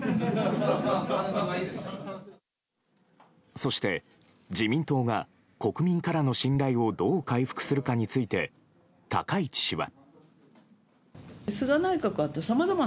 そして自民党が国民からの信頼をどう回復するかについて高市氏は。